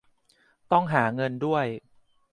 ต้องหาเงินด้วย